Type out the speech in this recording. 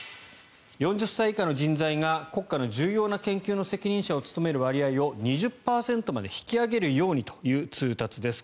４０歳以下の人材が国家の重要な研究の責任者を務める割合を２０％まで引き上げるようにという通達です。